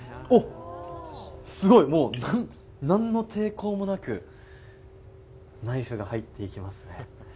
すごい！何の抵抗もなくナイフが入っていきますね。